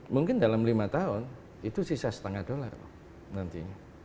mungkin dalam lima tahun itu sisa setengah dolar nantinya